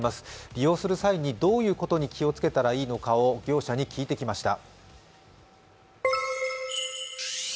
利用する際に、どういうことに気をつけたらいいのかを業者に聞いてきました。